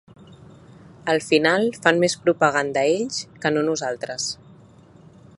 Al final fan més propaganda ells que no nosaltres.